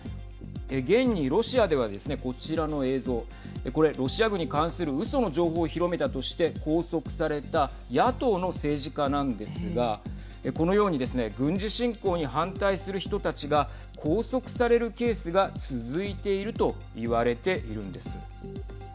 現に、ロシアではですねこちらの映像これ、ロシア軍に関するうその情報を広めたとして拘束された野党の政治家なんですがこのようにですね軍事侵攻に反対する人たちが拘束されるケースが続いていると言われているんです。